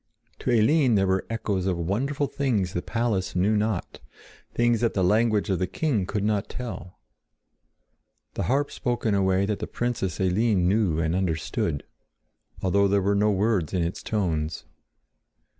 To Eline there were echoes of wonderful things the palace knew not; things that the language of the king could not tell. The harp spoke in a way that the Princess Eline knew and understood, although there were no words in its tones.